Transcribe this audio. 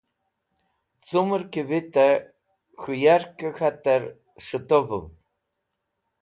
Cumẽr ki vitẽ k̃hũ yarkẽ hatur s̃hẽtovũv.